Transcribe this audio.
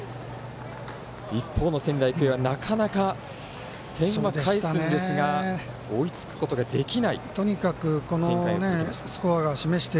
一方の仙台育英はなかなか点は返すんですが追いつくことができない展開が続きました。